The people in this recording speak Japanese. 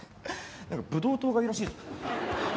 なんかブドウ糖がいいらしいぞ。